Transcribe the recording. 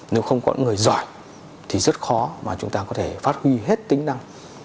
nếu không có người giỏi thì rất khó mà chúng ta có thể phát huy hết tính năng